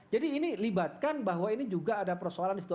jadi ini libatkan bahwa ini juga ada persoalan di situ